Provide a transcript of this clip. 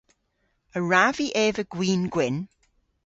A wrav vy eva gwin gwynn?